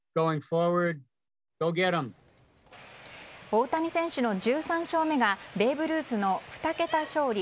大谷選手の１３勝目がベーブ・ルースの２桁勝利